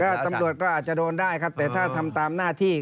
ก็ตำรวจก็อาจจะโดนได้ครับแต่ถ้าทำตามหน้าที่